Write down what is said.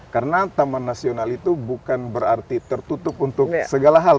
karena taman nasional itu bukan berarti tertutup untuk segala hal